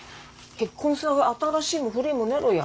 結婚さ新しいも古いもねえろや。